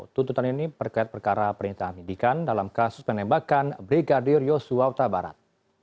tuntutan ini terkait perkara perintah dalam kasus penembakan brigadir yosua utabarat